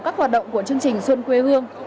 các hoạt động của chương trình xuân quê hương